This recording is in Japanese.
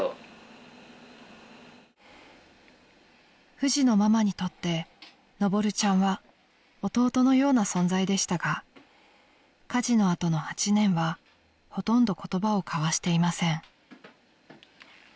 ［ふじのママにとってのぼるちゃんは弟のような存在でしたが火事の後の８年はほとんど言葉を交わしていません］